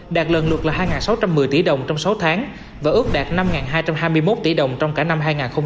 đạt lần lượt là hai sáu trăm một mươi tỷ đồng trong sáu tháng và ước đạt năm hai trăm hai mươi một tỷ đồng trong cả năm hai nghìn hai mươi